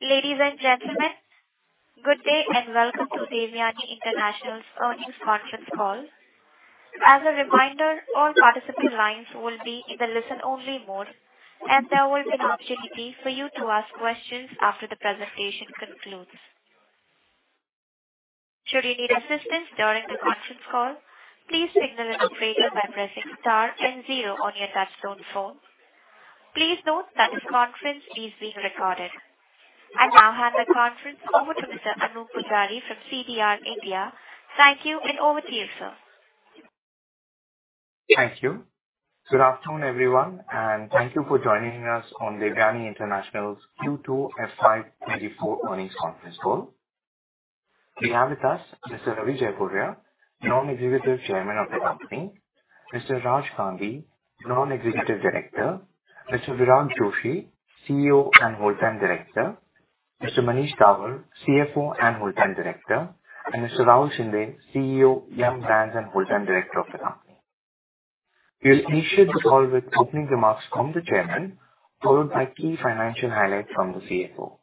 Ladies and gentlemen, good day, and welcome to Devyani International's earnings conference call. As a reminder, all participant lines will be in a listen-only mode, and there will be an opportunity for you to ask questions after the presentation concludes. Should you need assistance during the conference call, please signal an operator by pressing star and zero on your touchtone phone. Please note that this conference is being recorded. I now hand the conference over to Mr. Anup Pujari from CDR India. Thank you, and over to you, sir. Thank you. Good afternoon, everyone, and thank you for joining us on Devyani International's Q2 FY24 earnings conference call. We have with us Mr. Ravi Jaipuria, Non-Executive Chairman of the company, Mr. Raj Gandhi, Non-Executive Director, Mr. Virag Joshi, CEO and Whole-Time Director, Mr. Manish Dawar, CFO and Whole-Time Director, and Mr. Rahul Shinde, CEO, Yum Brands, and Whole-Time Director of the company. We'll initiate the call with opening remarks from the chairman, followed by key financial highlights from the CFO.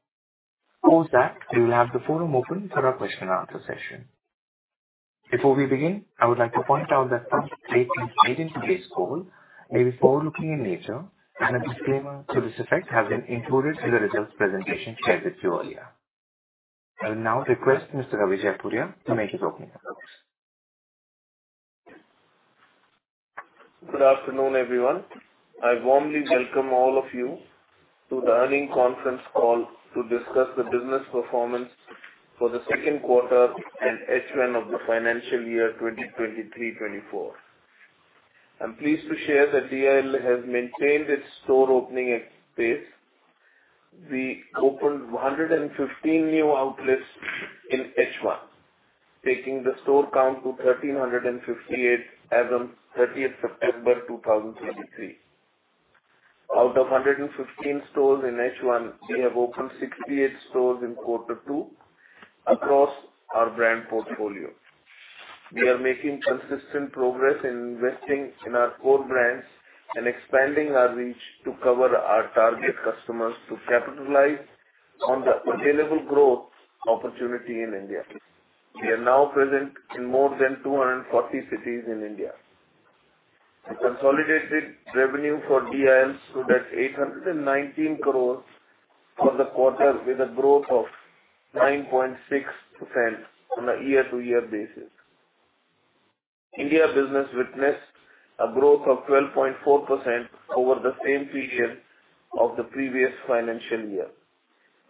After that, we will have the floor open for our question and answer session. Before we begin, I would like to point out that some statements made in today's call may be forward-looking in nature, and a disclaimer to this effect has been included in the results presentation shared with you earlier. I'll now request Mr. Ravi Jaipuria to make his opening remarks. Good afternoon, everyone. I warmly welcome all of you to the earnings conference call to discuss the business performance for the Q2 and H1 of the financial year 2023-24. I'm pleased to share that DIL has maintained its store opening pace. We opened 115 new outlets in H1, taking the store count to 1,358 as on 30th September 2023. Out of 115 stores in H1, we have opened 68 stores in quarter two across our brand portfolio. We are making consistent progress in investing in our core brands and expanding our reach to cover our target customers to capitalize on the available growth opportunity in India. We are now present in more than 240 cities in India. The consolidated revenue for DIL stood at 819 crore for the quarter, with a growth of 9.6% on a year-over-year basis. India business witnessed a growth of 12.4% over the same period of the previous financial year.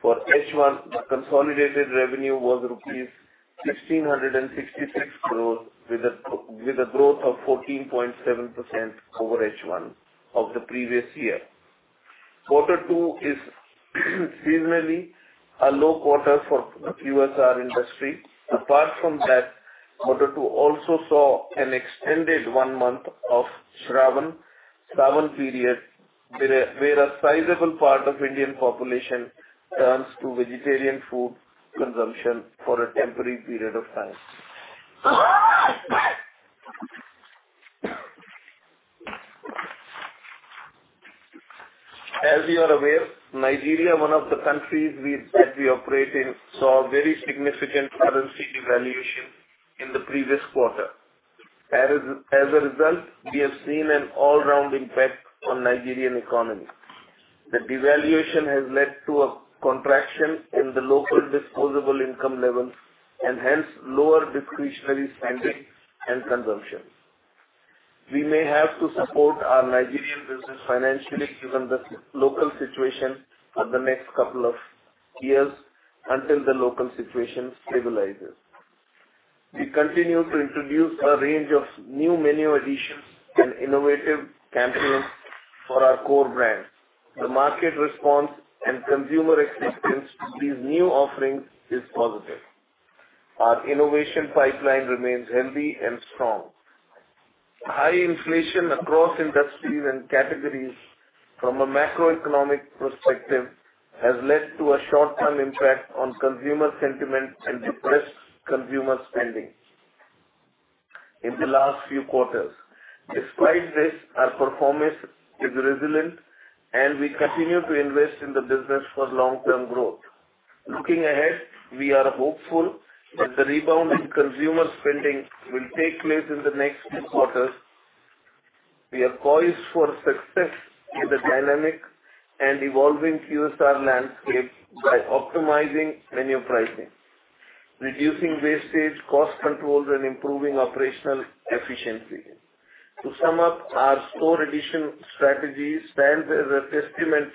For H1, the consolidated revenue was rupees 1,666 crore, with a growth of 14.7% over H1 of the previous year. Quarter two is seasonally a low quarter for the QSR industry. Apart from that, quarter two also saw an extended one month of Shravan period, where a sizable part of Indian population turns to vegetarian food consumption for a temporary period of time. As you are aware, Nigeria, one of the countries that we operate in, saw very significant currency devaluation in the previous quarter. As a result, we have seen an all-round impact on Nigerian economy. The devaluation has led to a contraction in the local disposable income levels and, hence, lower discretionary spending and consumption. We may have to support our Nigerian business financially, given the local situation, for the next couple of years, until the local situation stabilizes. We continue to introduce a range of new menu additions and innovative campaigns for our core brands. The market response and consumer acceptance to these new offerings is positive. Our innovation pipeline remains healthy and strong. High inflation across industries and categories from a macroeconomic perspective has led to a short-term impact on consumer sentiment and depressed consumer spending in the last few quarters. Despite this, our performance is resilient, and we continue to invest in the business for long-term growth. Looking ahead, we are hopeful that the rebound in consumer spending will take place in the next few quarters. We are poised for success in the dynamic and evolving QSR landscape by optimizing menu pricing, reducing wastage, cost controls, and improving operational efficiency. To sum up, our store addition strategy stands as a testament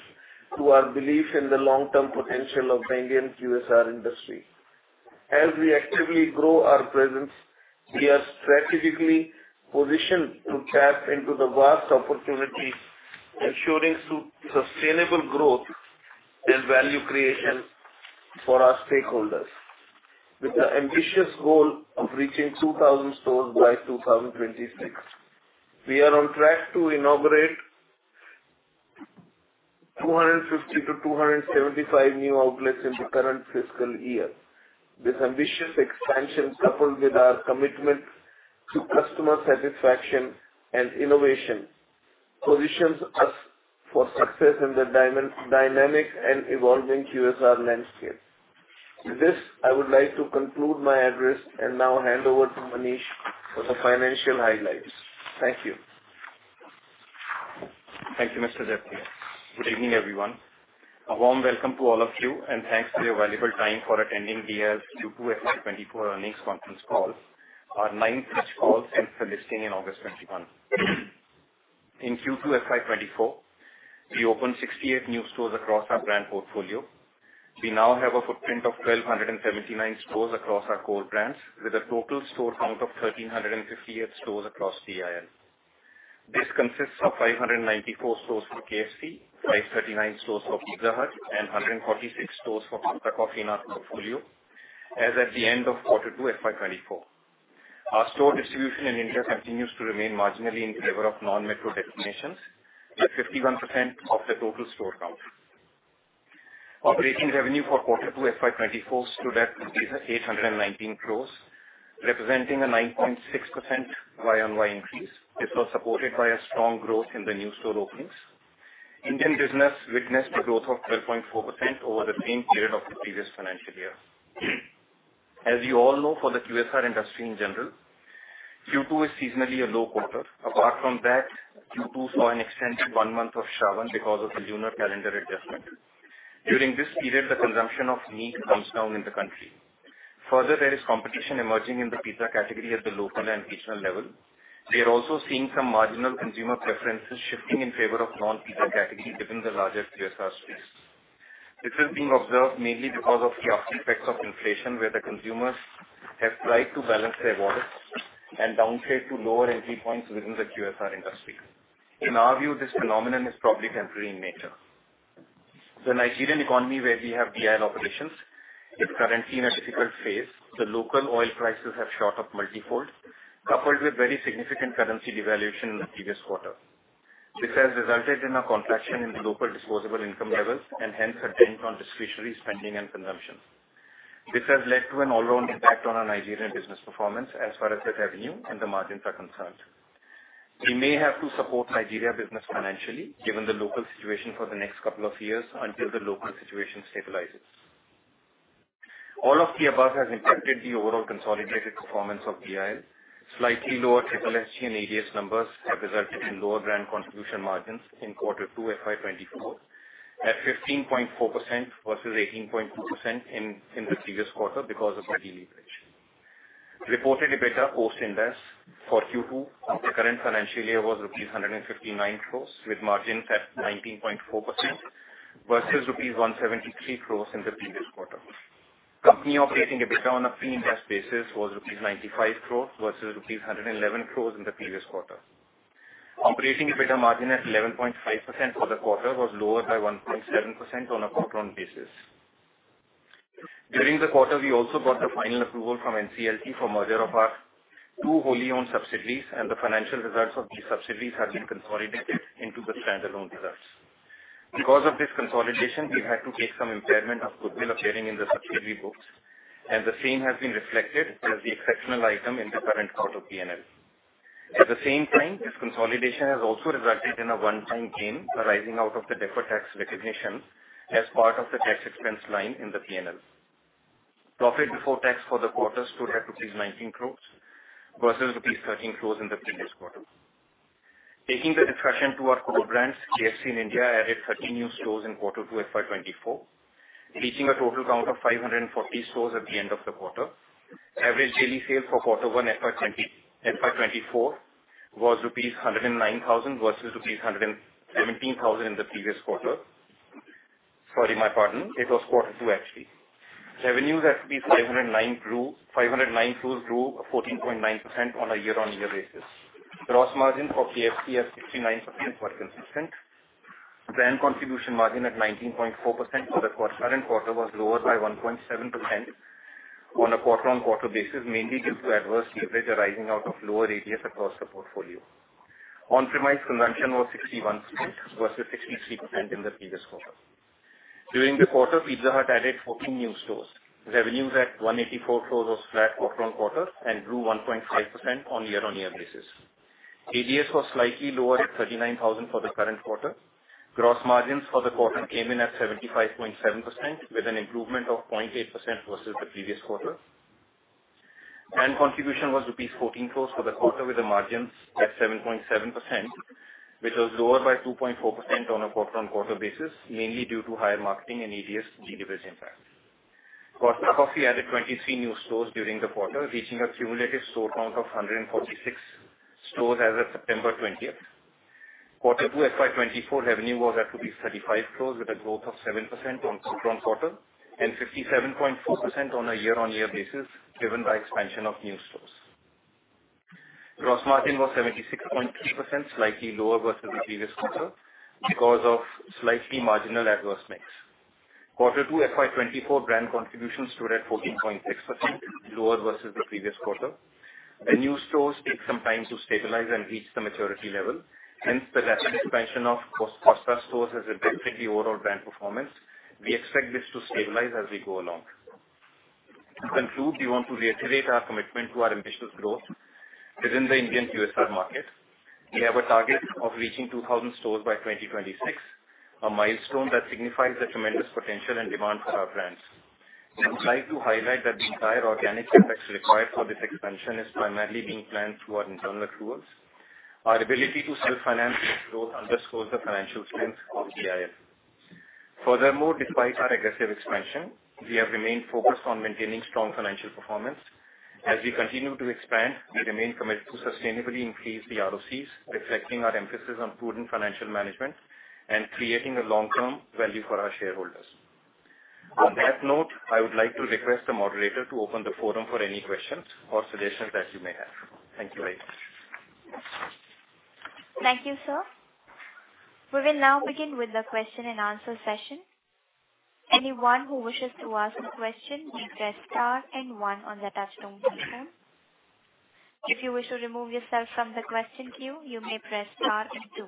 to our belief in the long-term potential of the Indian QSR industry. As we actively grow our presence, we are strategically positioned to tap into the vast opportunities, ensuring sustainable growth and value creation for our stakeholders. With the ambitious goal of reaching 2,000 stores by 2026, we are on track to inaugurate 250-275 new outlets in the current fiscal year. This ambitious expansion, coupled with our commitment to customer satisfaction and innovation. positions us for success in the dynamic and evolving QSR landscape. With this, I would like to conclude my address and now hand over to Manish for the financial highlights. Thank you. Thank you, Mr. Jaipuria. Good evening, everyone. A warm welcome to all of you, and thanks for your valuable time for attending the Q2 FY 2024 earnings conference call, our ninth such call since the listing in August 2021. In Q2 FY 2024, we opened 68 new stores across our brand portfolio. We now have a footprint of 1,279 stores across our core brands, with a total store count of 1,358 stores across DIL. This consists of 594 stores for KFC, 539 stores for Pizza Hut, and 146 stores for Costa Coffee in our portfolio, as at the end of quarter 2 FY 2024. Our store distribution in India continues to remain marginally in favor of non-metro designations, at 51% of the total store count. Operating revenue for quarter 2 FY 2024 stood at 819 crores, representing a 9.6% year-over-year increase. This was supported by a strong growth in the new store openings. Indian business witnessed a growth of 12.4% over the same period of the previous financial year. As you all know, for the QSR industry in general, Q2 is seasonally a low quarter. Apart from that, Q2 saw an extended 1 month of Shravan because of the lunar calendar adjustment. During this period, the consumption of meat comes down in the country. Further, there is competition emerging in the pizza category at the local and regional level. We are also seeing some marginal consumer preferences shifting in favor of non-pizza category within the larger QSR space. This is being observed mainly because of the after effects of inflation, where the consumers have tried to balance their wallets and downgrade to lower entry points within the QSR industry. In our view, this phenomenon is probably temporary in nature. The Nigerian economy, where we have DIL operations, is currently in a difficult phase. The local oil prices have shot up multifold, coupled with very significant currency devaluation in the previous quarter. This has resulted in a contraction in the local disposable income levels and hence a dent on discretionary spending and consumption. This has led to an all-round impact on our Nigerian business performance as far as the revenue and the margins are concerned. We may have to support Nigerian business financially, given the local situation for the next couple of years, until the local situation stabilizes. All of the above has impacted the overall consolidated performance of DIL. Slightly lower SSS and ADS numbers have resulted in lower brand contribution margins in quarter 2 FY 2024, at 15.4% versus 18.2% in the previous quarter because of the deleverage. Reported EBITDA post-Ind AS for Q2 of the current financial year was rupees 159 crores, with margins at 19.4% versus rupees 173 crores in the previous quarter. Company operating EBITDA on a pre-Ind AS basis was rupees 95 crores versus rupees 111 crores in the previous quarter. Operating EBITDA margin at 11.5% for the quarter was lower by 1.7% on a quarter-on-quarter basis. During the quarter, we also got the final approval from NCLT for merger of our two wholly owned subsidiaries, and the financial results of these subsidiaries have been consolidated into the standalone results. Because of this consolidation, we had to take some impairment of goodwill appearing in the subsidiary books, and the same has been reflected as the exceptional item in the current quarter P&L. At the same time, this consolidation has also resulted in a one-time gain arising out of the deferred tax recognition as part of the tax expense line in the P&L. Profit before tax for the quarter stood at rupees 19 crores versus rupees 13 crores in the previous quarter. Taking the discussion to our core brands, KFC in India added 13 new stores in quarter two FY 2024, reaching a total count of 540 stores at the end of the quarter. Average daily sales for Q1 FY24 was rupees 109,000 versus rupees 117,000 in the previous quarter. Sorry, my pardon, it was quarter two, actually. Revenues at 509 crores grew 14.9% on a year-on-year basis. Gross margin for KFC at 69% was consistent. Brand contribution margin at 19.4% for the current quarter was lower by 1.7% on a quarter-on-quarter basis, mainly due to adverse leverage arising out of lower ADS across the portfolio. On-premise consumption was 61% versus 63% in the previous quarter. During the quarter, Pizza Hut added 14 new stores. Revenues at 184 crores was flat quarter-on-quarter and grew 1.5% on year-on-year basis. ADS was slightly lower at 39,000 for the current quarter. Gross margins for the quarter came in at 75.7%, with an improvement of 0.8% versus the previous quarter. Brand contribution was rupees 14 crores for the quarter, with the margins at 7.7%, which was lower by 2.4% on a quarter-on-quarter basis, mainly due to higher marketing and ADS deleverage impact. Costa Coffee added 23 new stores during the quarter, reaching a cumulative store count of 146 stores as of September twentieth. Quarter 2 FY 2024 revenue was at 35 crores, with a growth of 7% on quarter-on-quarter and 57.4% on a year-on-year basis, driven by expansion of new stores. Gross margin was 76.3%, slightly lower versus the previous quarter because of slightly marginal adverse mix. Quarter 2 FY 2024 brand contribution stood at 14.6%, lower versus the previous quarter. The new stores take some time to stabilize and reach the maturity level, hence, the rapid expansion of Costa stores has impacted the overall brand performance. We expect this to stabilize as we go along. To conclude, we want to reiterate our commitment to our ambitious growth within the Indian QSR market. We have a target of reaching 2,000 stores by 2026, a milestone that signifies the tremendous potential and demand for our brands. I'd like to highlight that the entire organic CapEx required for this expansion is primarily being planned through our internal funds. Our ability to self-finance this growth underscores the financial strength of DIF. Furthermore, despite our aggressive expansion, we have remained focused on maintaining strong financial performance. As we continue to expand, we remain committed to sustainably increase the ROCs, reflecting our emphasis on prudent financial management and creating a long-term value for our shareholders. On that note, I would like to request the moderator to open the forum for any questions or suggestions that you may have. Thank you very much. Thank you, sir. We will now begin with the question and answer session. Anyone who wishes to ask a question may press star and one on their touchtone phone. If you wish to remove yourself from the question queue, you may press star and two.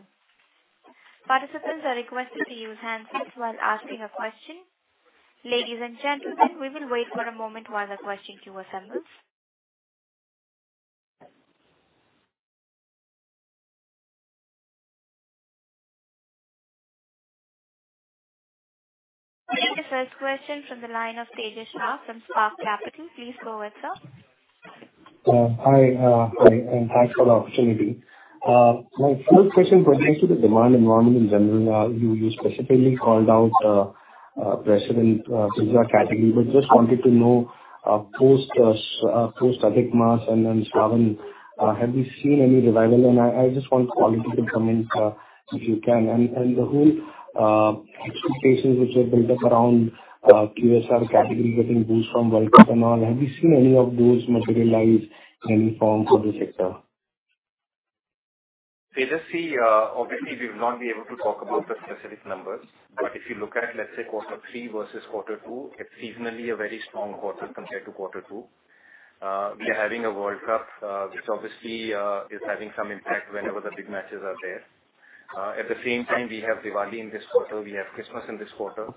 Participants are requested to use handsets while asking a question. Ladies and gentlemen, we will wait for a moment while the question queue assembles. We have the first question from the line of Tejas Shah from Spark Capital. Please go ahead, sir. Hi, and thanks for the opportunity. My first question pertains to the demand environment in general. You specifically called out precedent category, but just wanted to know, post post-Adhik Maas and then Shravan, have you seen any revival? And I just want quality to comment, if you can. And the whole expectations which were built up around QSR categories within booze from World Cup and all, have you seen any of those materialize in any form for the sector? Tejas, see, obviously, we will not be able to talk about the specific numbers, but if you look at, let's say, quarter three versus quarter two, it's seasonally a very strong quarter compared to quarter two. We are having a World Cup, which obviously, is having some impact whenever the big matches are there. At the same time, we have Diwali in this quarter, we have Christmas in this quarter.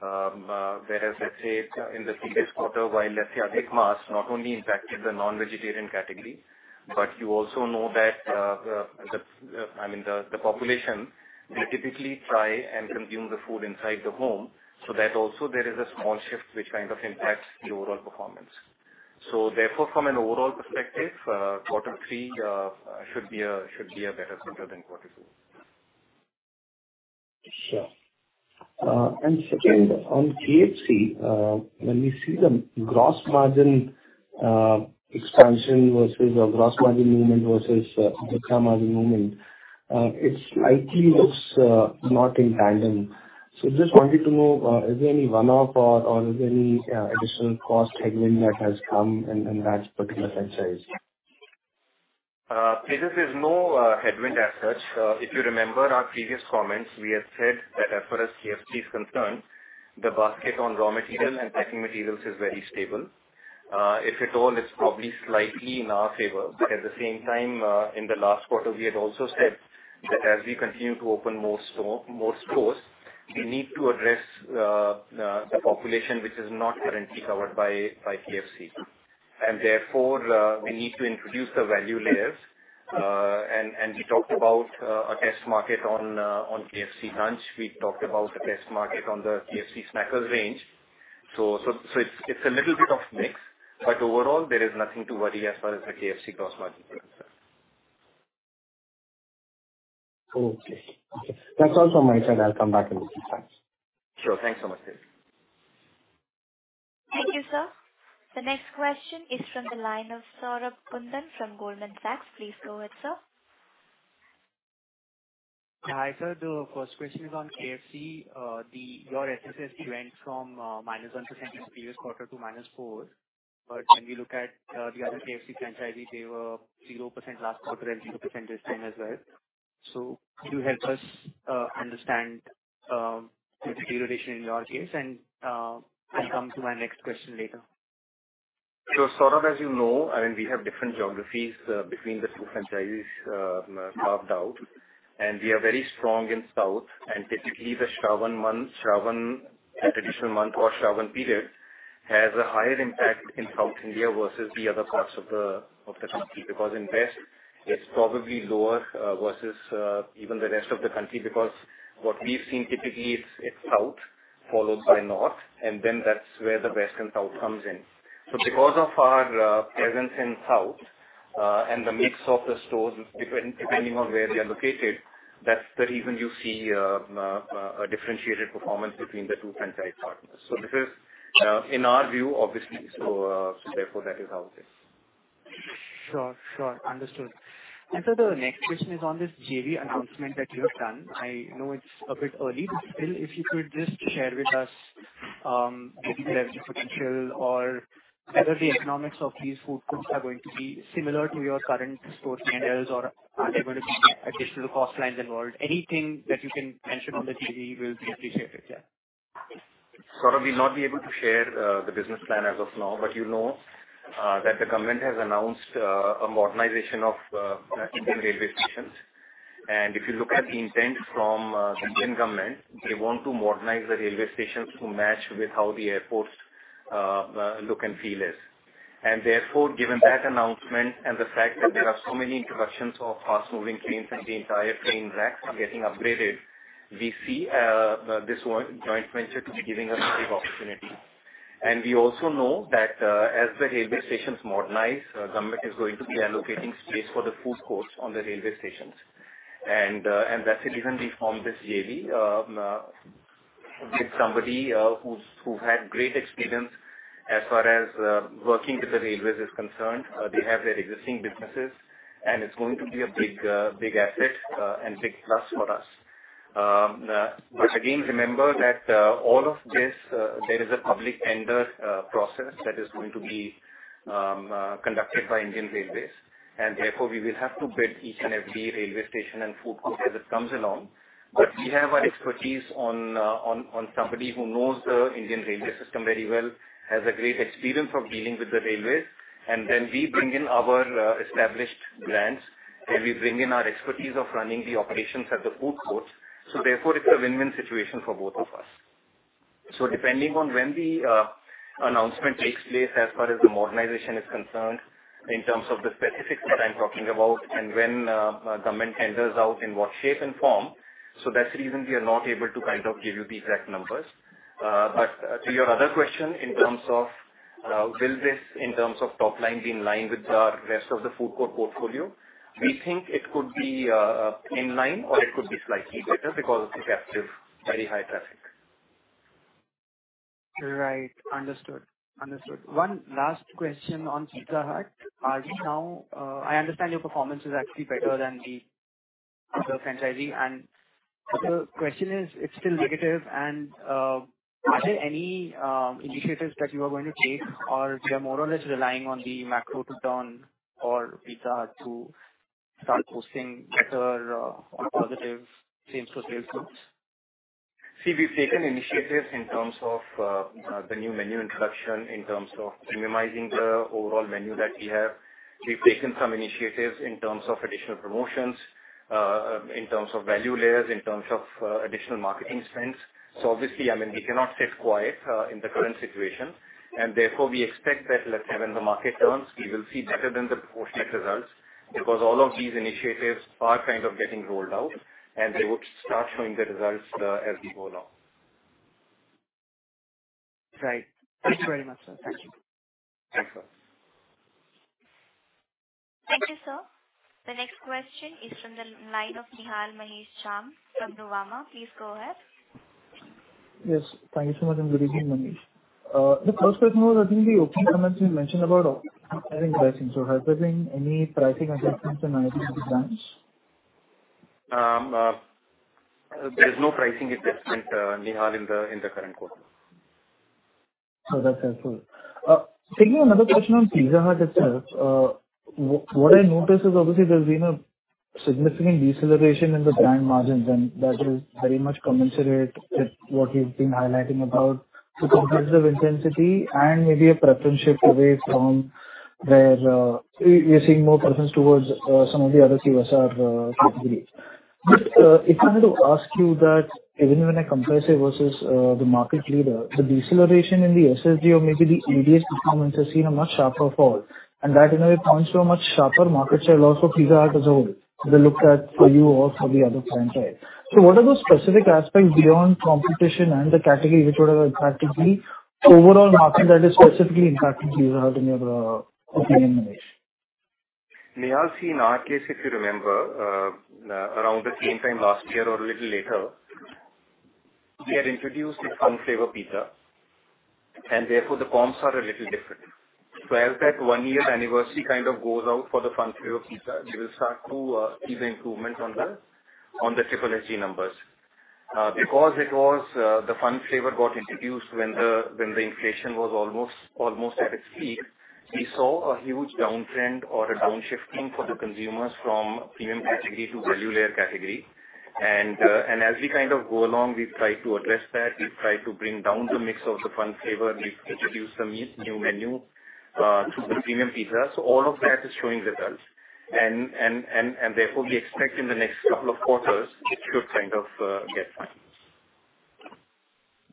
Whereas, let's say, in the previous quarter, while let's say Adhik Maas not only impacted the non-vegetarian category, but you also know that, I mean, the population will typically try and consume the food inside the home. So that also there is a small shift, which kind of impacts the overall performance. Therefore, from an overall perspective, quarter three should be a better quarter than quarter two. Sure. And second, on KFC, when we see the gross margin, expansion versus a gross margin movement versus margin movement, it slightly looks, not in tandem. So just wanted to know, is there any one-off or, or is there any, additional cost headwind that has come in that particular franchise? Tejash, there's no headwind as such. If you remember our previous comments, we have said that as far as KFC is concerned, the basket on raw material and packing materials is very stable. If at all, it's probably slightly in our favor. But at the same time, in the last quarter, we had also said that as we continue to open more store, more stores, we need to address the population, which is not currently covered by KFC. And therefore, we need to introduce the value layers. And we talked about a test market on KFC Lunch. We talked about the test market on the KFC Snackers range. So it's a little bit of mix, but overall, there is nothing to worry as far as the KFC gross margin is concerned. Okay. That's all from my side. I'll come back in a few times. Sure. Thanks so much, Tejash. Thank you, sir. The next question is from the line of Saurabh Kundan from Goldman Sachs. Please go ahead, sir. Hi, sir. The first question is on KFC. Your SSG went from -1% in the previous quarter to -4%. But when we look at the other KFC franchisee, they were 0% last quarter and 0% this time as well. So could you help us understand the deterioration in your case? And I'll come to my next question later. So Saurabh, as you know, I mean, we have different geographies between the two franchisees carved out, and we are very strong in South. And typically, the Shravan month, Shravan, a traditional month or Shravan period, has a higher impact in South India versus the other parts of the country. Because in West, it's probably lower versus even the rest of the country, because what we've seen typically, it's South, followed by North, and then that's where the West and South comes in. So because of our presence in South, and the mix of the stores, depending on where they are located, that's the reason you see a differentiated performance between the two franchise partners. So this is in our view, obviously. So therefore, that is how it is. Sure, sure. Understood. And so the next question is on this JV announcement that you have done. I know it's a bit early, but still, if you could just share with us, maybe the revenue potential or whether the economics of these food courts are going to be similar to your current store standards, or are there going to be additional cost lines involved? Anything that you can mention on the JV will be appreciated, yeah. Saurabh, we'll not be able to share the business plan as of now, but you know that the government has announced a modernization of Indian railway stations. And if you look at the intent from the Indian government, they want to modernize the railway stations to match with how the airports look and feel is. And therefore, given that announcement and the fact that there are so many introductions of fast-moving trains, and the entire train rack are getting upgraded, we see this one joint venture to be giving us a big opportunity. And we also know that, as the railway stations modernize, government is going to be allocating space for the food courts on the railway stations. And that's the reason we formed this JV with somebody who had great experience as far as working with the railways is concerned. They have their existing businesses, and it's going to be a big big asset and big plus for us. But again, remember that all of this, there is a public tender process that is going to be conducted by Indian Railways. And therefore, we will have to bid each and every railway station and food court as it comes along. But we have our expertise on somebody who knows the Indian railway system very well, has a great experience of dealing with the railways, and then we bring in our established brands, and we bring in our expertise of running the operations at the food court. So therefore, it's a win-win situation for both of us. So depending on when the announcement takes place, as far as the modernization is concerned, in terms of the specifics that I'm talking about, and when government tenders out in what shape and form, so that's the reason we are not able to kind of give you the exact numbers. But to your other question, in terms of will this, in terms of top line, be in line with the rest of the food court portfolio? We think it could be in line or it could be slightly better because it's attractive, very high traffic. Right. Understood. Understood. One last question on Pizza Hut. As now, I understand your performance is actually better than the other franchisee, and the question is, it's still negative and, are there any, initiatives that you are going to take, or you are more or less relying on the macro to turn or Pizza Hut to start posting better or positive same-store sales growth? See, we've taken initiatives in terms of, the new menu introduction, in terms of premiumizing the overall menu that we have. We've taken some initiatives in terms of additional promotions, in terms of value layers, in terms of, additional marketing spends. So obviously, I mean, we cannot sit quiet, in the current situation, and therefore, we expect that later when the market turns, we will see better than the proportionate results. Because all of these initiatives are kind of getting rolled out, and they would start showing the results, as we go along. Right. Thank you very much, sir. Thank you. Thanks, sir. Thank you, sir. The next question is from the line of Nihal Mahesh Jham from Nuvama. Please go ahead. Yes. Thank you so much, and good evening, Manish. The first question was, I think the opening comments you mentioned about pricing. So are there any pricing adjustments in IP brands? There is no pricing adjustment, Nihal, in the current quarter. So that's helpful. Second, another question on Pizza Hut itself. What, what I noticed is obviously there's been a significant deceleration in the brand margins, and that is very much commensurate with what you've been highlighting about the competitive intensity and maybe a preference shift away from where, you're seeing more preference towards, some of the other QSR, categories. Just, if I were to ask you that even when I compare it versus, the market leader, the deceleration in the SSG or maybe the ADS performance has seen a much sharper fall, and that, in a way, points to a much sharper market share loss for Pizza Hut as a whole, if they looked at for you or for the other franchise. What are those specific aspects beyond competition and the category which would have impacted the overall market that is specifically impacting Pizza Hut in your opinion, Manish? Nihal, see, in our case, if you remember, around the same time last year or a little later, we had introduced the Fun Flavour Pizza, and therefore the comps are a little different. So as that one-year anniversary kind of goes out for the Fun Flavour Pizza, we will start to see the improvement on the, on the SSG numbers. Because it was, the Fun Flavour got introduced when the, when the inflation was almost, almost at its peak, we saw a huge downtrend or a downshifting for the consumers from premium category to value layer category. And, and as we kind of go along, we try to address that. We try to bring down the mix of the Fun Flavour. We've introduced some new, new menu, to the premium pizza. So all of that is showing results. Therefore, we expect in the next couple of quarters, it should kind of get better.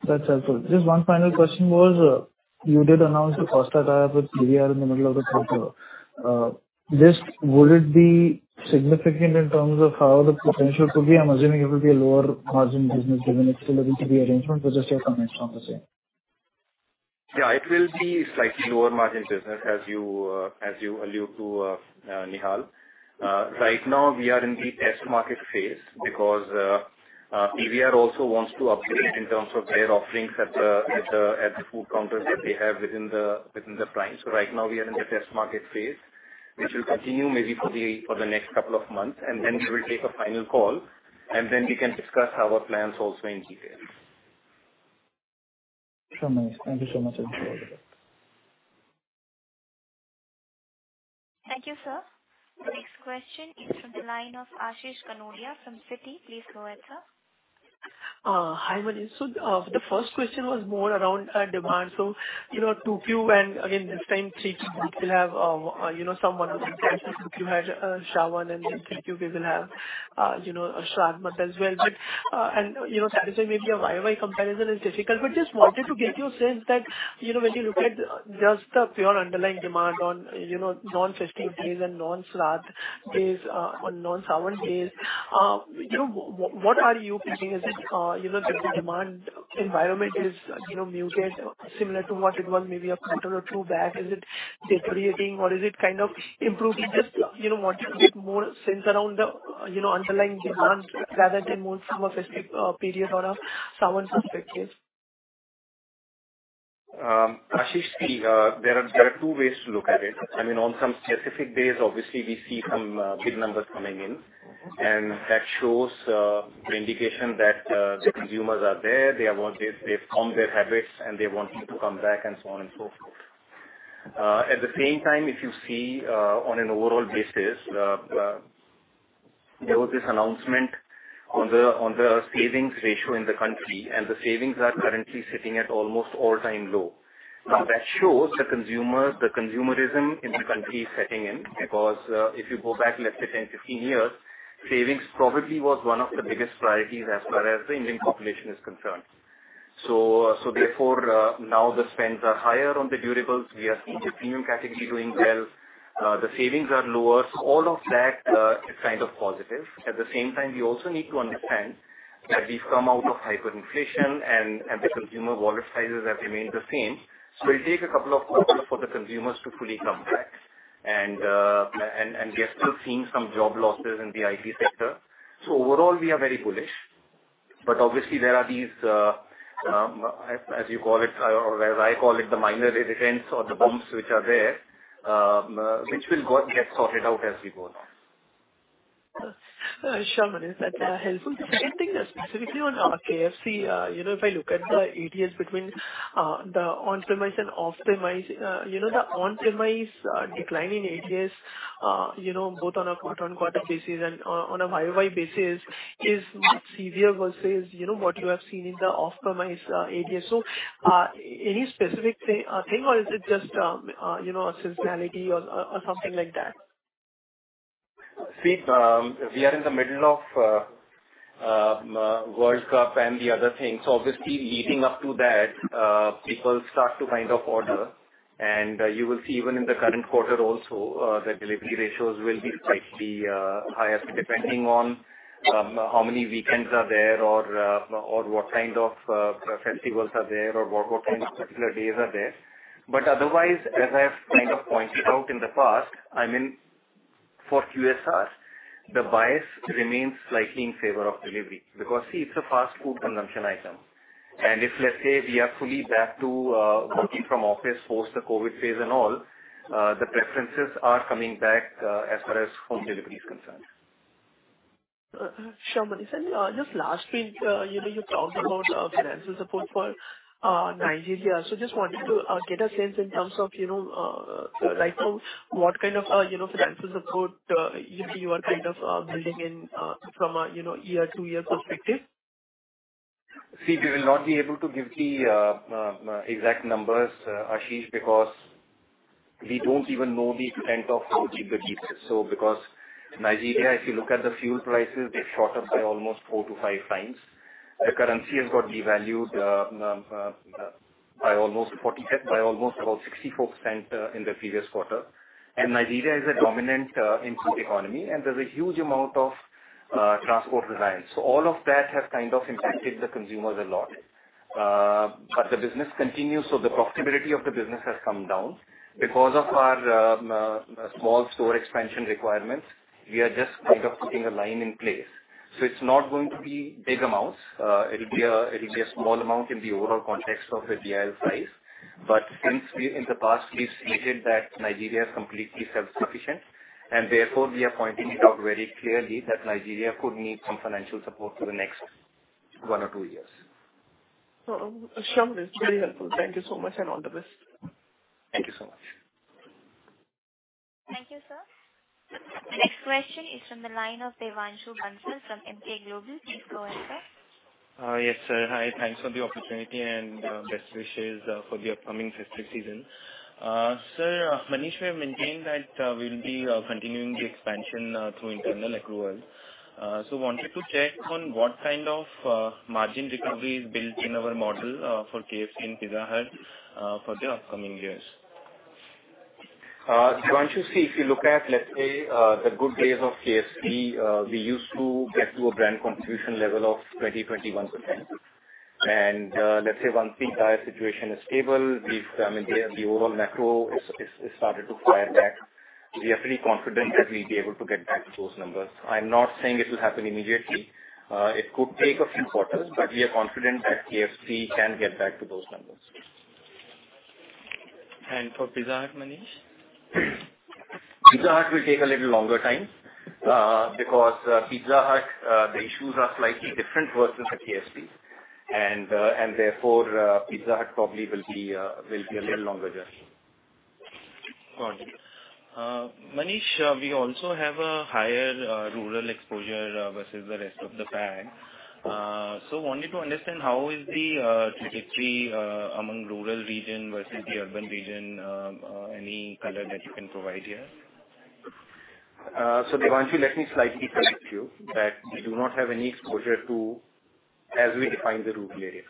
That's helpful. Just one final question was, you did announce a first tie-up with PVR in the middle of the quarter. Just would it be significant in terms of how the potential could be? I'm assuming it will be a lower-margin business, given its ability to be arrangement, but just your comments on the same. Yeah, it will be slightly lower-margin business, as you allude to, Nihal. Right now, we are in the test market phase because PVR also wants to upgrade in terms of their offerings at the food counters that they have within the premise. So right now we are in the test market phase, which will continue maybe for the next couple of months, and then we will take a final call, and then we can discuss our plans also in detail. Sure, Manish. Thank you so much. I appreciate it. Thank you, sir. The next question is from the line of Ashish Kanodia from Citi. Please go ahead, sir. Hi, Manish. So, the first question was more around demand. So, you know, 2Q and again, this time 3Q, we still have, you know, someone who had Shravan, and then 3Q, we will have, you know, Shradh as well. But, and, you know, satisfying maybe a YOY comparison is difficult, but just wanted to get your sense that, you know, when you look at just the pure underlying demand on, you know, non-festive days and non-Shradh days, on non-Shravan days, you know, what are you thinking? Is it, you know, that the demand environment is, you know, muted, similar to what it was maybe a quarter or two back? Is it deteriorating or is it kind of improving? Just, you know, wanted to get more sense around the, you know, underlying demand rather than more some specific period or a Shravan specific case. Ashish, see, there are two ways to look at it. I mean, on some specific days, obviously, we see some big numbers coming in, and that shows the indication that the consumers are there, they are wanted, they've formed their habits, and they want to come back, and so on and so forth. At the same time, if you see, on an overall basis, there was this announcement on the savings ratio in the country, and the savings are currently sitting at almost all-time low. Now, that shows the consumers, the consumerism in the country is setting in, because, if you go back, let's say, 10, 15 years, savings probably was one of the biggest priorities as far as the Indian population is concerned. So, therefore, now the spends are higher on the durables. We are seeing the premium category doing well. The savings are lower. All of that is kind of positive. At the same time, we also need to understand that we've come out of hyperinflation and the consumer wallet sizes have remained the same. So it'll take a couple of quarters for the consumers to fully come back and we are still seeing some job losses in the IT sector. So overall, we are very bullish, but obviously, there are these, as you call it, or as I call it, the minor irritants or the bumps which are there, which will get sorted out as we go on. Sure, Manish, that's helpful. The second thing, specifically on KFC, you know, if I look at the ADS between the on-premise and off-premise, you know, the on-premise decline in ADS, you know, both on a quarter-on-quarter basis and on a YOY basis is much severe versus what you have seen in the off-premise ADS. So, any specific thing or is it just you know, a seasonality or something like that? See, we are in the middle of World Cup and the other things. So obviously, leading up to that, people start to kind of order, and you will see even in the current quarter also, the delivery ratios will be slightly higher, depending on how many weekends are there or or what kind of festivals are there, or what kind of particular days are there. But otherwise, as I've kind of pointed out in the past, I mean, for QSR, the bias remains slightly in favor of delivery, because, see, it's a fast food consumption item. And if, let's say, we are fully back to working from office post the COVID phase and all, the preferences are coming back, as far as home delivery is concerned. Sure, Manish, and just last week, you know, you talked about financial support for Nigeria. So just wanted to get a sense in terms of, you know, like from what kind of, you know, financial support you see you are kind of building in from a, you know, year-to-year perspective. See, we will not be able to give the exact numbers, Ashish, because we don't even know the extent of how deep it is. So because Nigeria, if you look at the fuel prices, they've shot up by almost 4-5 times. The currency has got devalued by almost about 64% in the previous quarter. And Nigeria is a dominant import economy, and there's a huge amount of transport reliance. So all of that has kind of impacted the consumers a lot. But the business continues, so the profitability of the business has come down. Because of our small store expansion requirements, we are just kind of putting a line in place. So it's not going to be big amounts. It'll be a small amount in the overall context of the DIL size. But since, in the past, we've stated that Nigeria is completely self-sufficient, and therefore we are pointing it out very clearly that Nigeria could need some financial support for the next one or two years. Oh, sure, Manish. Very helpful. Thank you so much, and all the best. Thank you so much. Thank you, sir. The next question is from the line of Devanshu Bansal from MK Global. Please go ahead, sir. Yes, sir. Hi, thanks for the opportunity and best wishes for the upcoming festive season. Sir, Manish may have maintained that we'll be continuing the expansion through internal accrual. So wanted to check on what kind of margin recovery is built in our model for KFC and Pizza Hut for the upcoming years. Devanshu, see, if you look at, let's say, the good days of KFC, we used to get to a brand contribution level of 20-21%. And, let's say, once the entire situation is stable, we've... I mean, the overall macro is started to fire back. We are pretty confident that we'll be able to get back to those numbers. I'm not saying it will happen immediately. It could take a few quarters, but we are confident that KFC can get back to those numbers. For Pizza Hut, Manish? Pizza Hut will take a little longer time, because Pizza Hut, the issues are slightly different versus the KFC. And therefore, Pizza Hut probably will be a little longer journey. Got it. Manish, we also have a higher rural exposure versus the rest of the pack. So wanted to understand how is the trajectory among rural region versus the urban region, any color that you can provide here? So Devanshu, let me slightly correct you, that we do not have any exposure to as we define the rural areas.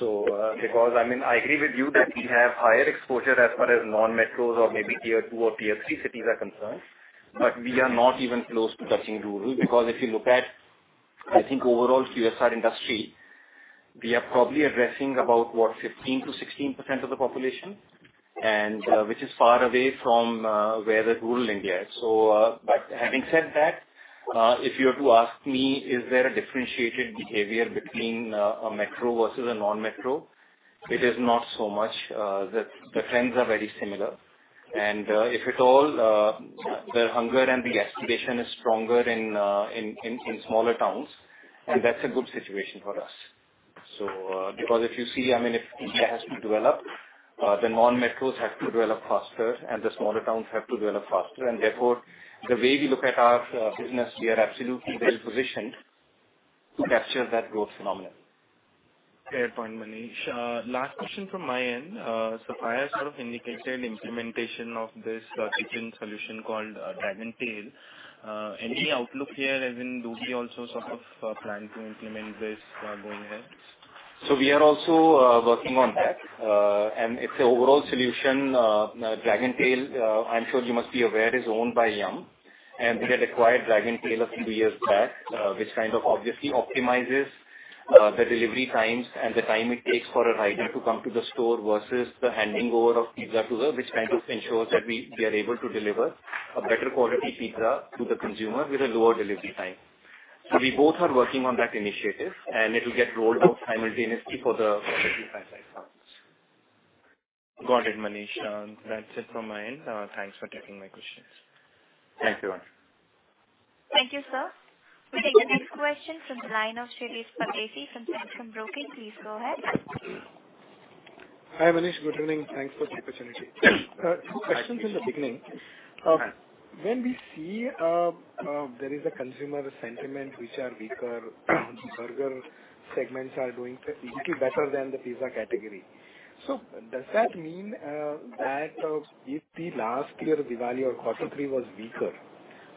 So, because, I mean, I agree with you that we have higher exposure as far as non-metros or maybe tier 2 or tier 3 cities are concerned, but we are not even close to touching rural. Because if you look at, I think, overall QSR industry, we are probably addressing about what, 15%-16% of the population, and, which is far away from, where the rural India is. So, but having said that, if you were to ask me, is there a differentiated behavior between, a metro versus a non-metro? It is not so much, the, the trends are very similar. If at all, the hunger and the aspiration is stronger in smaller towns, and that's a good situation for us. Because if you see, I mean, if India has to develop, then non-metros have to develop faster and the smaller towns have to develop faster. Therefore, the way we look at our business, we are absolutely well positioned to capture that growth phenomenon. Fair point, Manish. Last question from my end. So prior sort of indicated implementation of this, kitchen solution called, Dragontail. Any outlook here, as in, do we also sort of plan to implement this, going ahead? So we are also working on that. And it's an overall solution. Dragontail, I'm sure you must be aware, is owned by Yum!, and they had acquired Dragontail a few years back, which kind of obviously optimizes the delivery times and the time it takes for a rider to come to the store versus the handing over of pizza to her, which kind of ensures that we are able to deliver a better quality pizza to the consumer with a lower delivery time. So we both are working on that initiative, and it will get rolled out simultaneously for the. Got it, Manish. That's it from my end. Thanks for taking my questions. Thank you. Thank you, sir. We take the next question from the line of Shirish Pardeshi from Centrum Broking. Please go ahead. Hi, Manish. Good evening. Thanks for the opportunity. Two questions in the beginning. Uh. When we see, there is a consumer sentiment which are weaker, burger segments are doing a little better than the pizza category. So does that mean, that, if the last year Diwali or quarter three was weaker,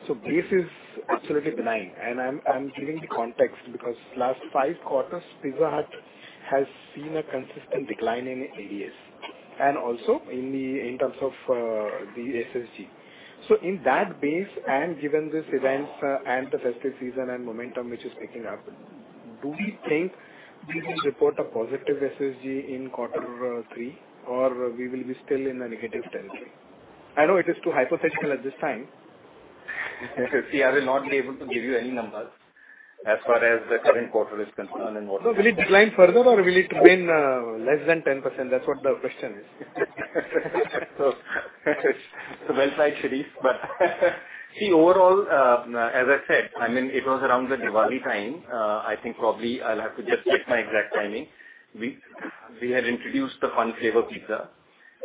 so base is absolutely nine, and I'm, I'm giving the context, because last five quarters, Pizza Hut has seen a consistent decline in ADS, and also in terms of, the SSG. So in that base, and given this events, and the festive season and momentum, which is picking up, do we think we will report a positive SSG in quarter, three, or we will be still in a negative territory? I know it is too hypothetical at this time. See, I will not be able to give you any numbers as far as the current quarter is concerned and what- So will it decline further or will it remain, less than 10%? That's what the question is. So well said, Shirish, but, see, overall, as I said, I mean, it was around the Diwali time. I think probably I'll have to just check my exact timing. We had introduced the Fun Flavour Pizza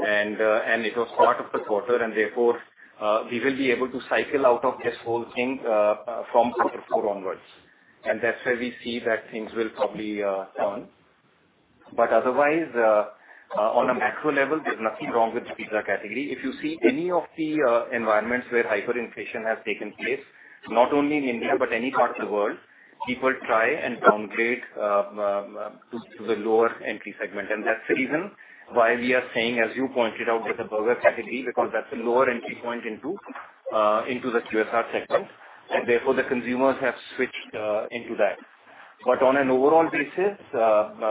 and, and it was part of the quarter, and therefore, we will be able to cycle out of this whole thing, from quarter four onwards. And that's where we see that things will probably turn. But otherwise, on a macro level, there's nothing wrong with the pizza category. If you see any of the environments where hyperinflation has taken place, not only in India but any part of the world, people try and downgrade to the lower entry segment. That's the reason why we are saying, as you pointed out, with the burger category, because that's a lower entry point into the QSR sector, and therefore, the consumers have switched into that. But on an overall basis,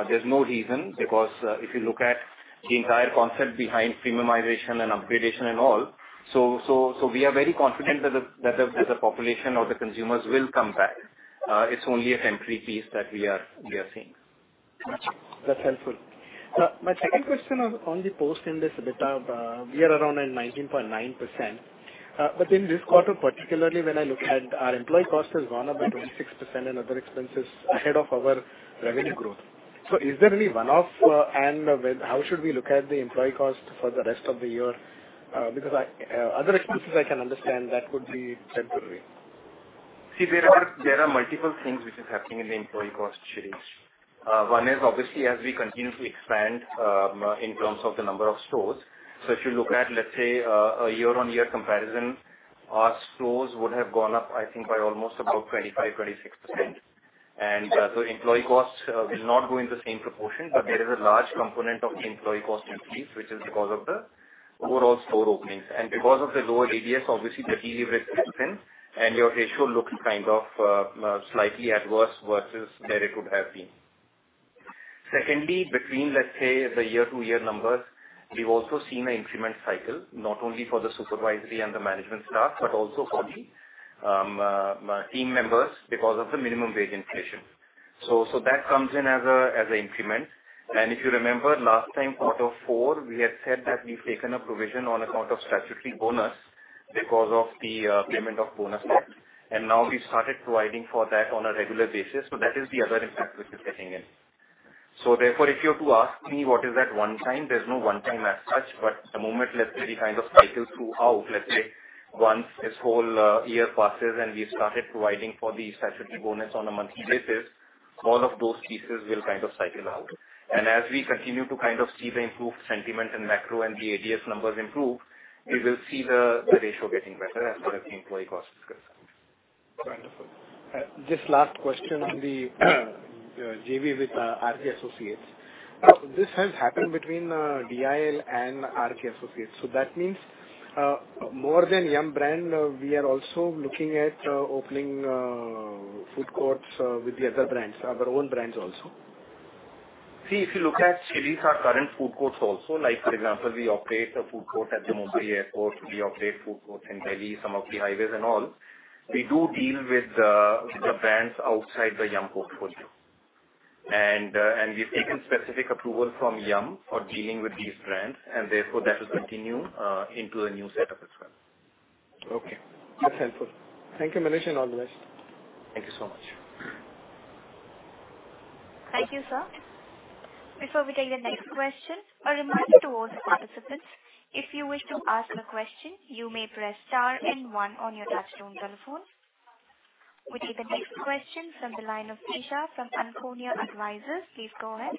there's no reason, because if you look at the entire concept behind premiumization and upgradation and all, so we are very confident that the population or the consumers will come back. It's only a temporary piece that we are seeing. That's helpful. My second question on the post-Ind AS EBITDA, we are around 19.9%. But in this quarter, particularly when I look at our employee cost has gone up by 26% and other expenses ahead of our revenue growth. So is there any one-off, and when how should we look at the employee cost for the rest of the year? Because I, other expenses I can understand that could be temporary. See, there are multiple things which is happening in the employee cost, Shirish. One is obviously as we continue to expand in terms of the number of stores. So if you look at, let's say, a year-on-year comparison, our stores would have gone up, I think, by almost about 25%-26%. And so employee costs will not go in the same proportion, but there is a large component of the employee cost increase, which is because of the overall store openings. And because of the lower ADS, obviously, the delivery steps in, and your ratio looks kind of slightly adverse versus where it would have been. Secondly, between, let's say, the year-to-year numbers, we've also seen an increment cycle, not only for the supervisory and the management staff, but also for the team members, because of the minimum wage inflation. So, so that comes in as a increment. And if you remember last time, quarter four, we had said that we've taken a provision on account of statutory bonus because of the payment of bonus act, and now we started providing for that on a regular basis. So that is the other impact which is getting in. So therefore, if you have to ask me what is that one time? There's no one time as such, but the moment, let's say, we kind of cycle through out, let's say, once this whole year passes and we've started providing for the statutory bonus on a monthly basis, all of those pieces will kind of cycle out. As we continue to kind of see the improved sentiment and macro and the ADS numbers improve, we will see the ratio getting better as far as the employee cost is concerned. Wonderful. Just last question on the JV with R.K. Associates. Now, this has happened between DIL and R.K. Associates. So that means, more than Yum! Brands, we are also looking at opening food courts with the other brands, our own brands also? See, if you look at Chili's, our current food courts also, like for example, we operate a food court at the Mumbai airport, we operate food courts in Delhi, some of the highways and all. We do deal with the brands outside the Yum portfolio. And we've taken specific approval from Yum for dealing with these brands, and therefore, that will continue into the new setup as well. Okay. That's helpful. Thank you, Manish, and all the best. Thank you so much. Thank you, sir. Before we take the next question, a reminder to all the participants, if you wish to ask a question, you may press star and one on your touchtone telephone. We take the next question from the line of Dhisha from Anvil Share & Stock Broking. Please go ahead.